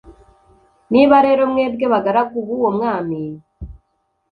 niba rero mwebwe, bagaragu b'uwo mwami